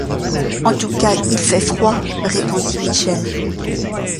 En tout cas, il fait froid! répondit Michel.